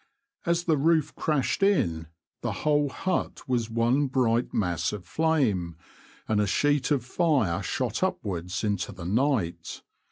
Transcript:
As the roof crashed in the whole hut was one bright mass of flame, and a sheet of fire shot upwards into the night.